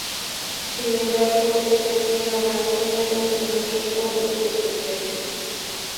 Sin embargo, es un clima más húmedo que muchos otros de su especie.